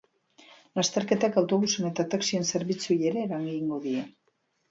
Lasterketak autobusen eta taxien zerbitzuei ere eragingo die.